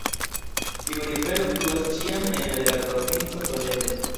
Tiu rivero fluas ĉiam ene de la provinco Toledo.